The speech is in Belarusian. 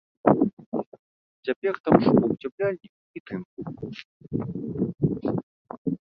Цяпер там шуба ўцяпляльніку і тынку.